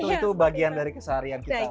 itu bagian dari keseharian kita